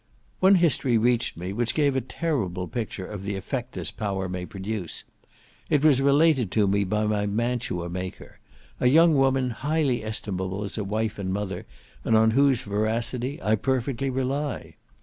One history reached me, which gave a terrible picture of the effect this power may produce; it was related to me by my mantua maker; a young woman highly estimable as a wife and mother, and on whose veracity I perfectly rely.